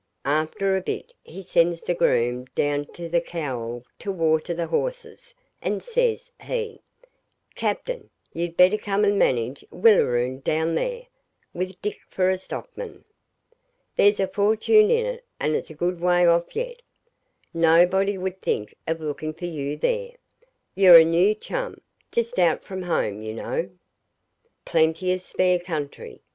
After a bit he sends the groom down to the Cowall to water the horses, and, says he 'Captain, you'd better come and manage Willaroon down there, with Dick for stockman. There's a fortune in it, and it's a good way off yet. Nobody would think of looking for you there. You're a new chum, just out from home, you know. Plenty of spare country.